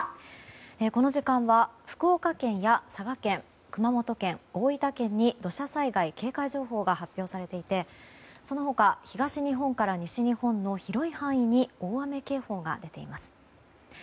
この時間は福岡県や佐賀県熊本県、大分県に土砂災害警戒情報が発表されていてその他、東日本から西日本の広い範囲に大雨警報が出ています。